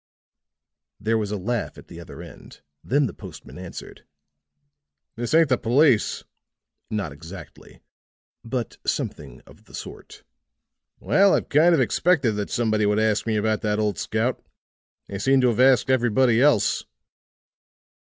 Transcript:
There was a laugh at the other end; then the postman answered: "This ain't the police?" "Not exactly, but something of the sort." "Well, I've kind of expected that somebody would ask me about that old scout; they seem to have asked everybody else."